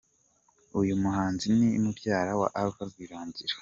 Uyu muhanzi ni mubyara wa Alpha Rwirangira.